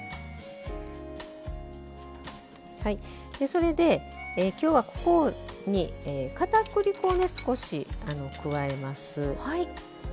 それで今日はここにかたくり粉ね少し加えます。